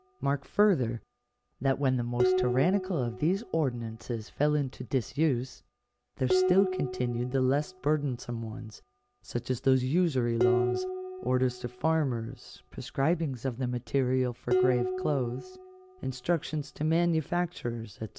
Mark farther, that when the most tyrannical of these ordinances fell into disuse, there still continued the less burdensome ones, such as those usury laws, orders to farmers, prescribings of the material for grave clothes, instruc tions to manufacturers, &c.